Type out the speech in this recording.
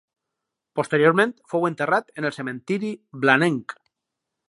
Posteriorment fou enterrat en el cementiri blanenc.